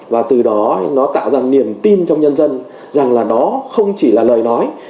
và từ đó nó tạo ra niềm tin trong nhân dân rằng là đó không chỉ là lời nói